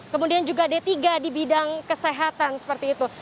kemudian juga d tiga di bidang kesehatan seperti itu